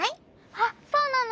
あっそうなの！